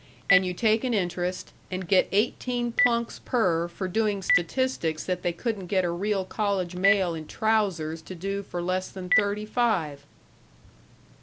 "And you take an interest, and get eighteen plunks per for doing statistics that they couldn't get a real college male in trousers to do for less than thirty five."